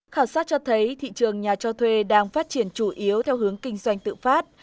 khảo sát cho thấy thị trường nhà cho thuê đang phát triển chủ yếu theo hướng kinh doanh tự phát